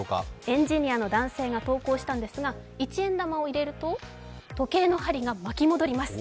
エンジニアの男性が投稿したんですが、一円玉を入れると時計の針が巻き戻ります。